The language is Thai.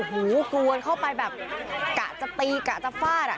หูกวนเข้าไปแบบกะจะตีกะจะฟาดอ่ะ